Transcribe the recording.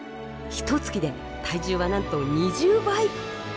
ひとつきで体重はなんと２０倍！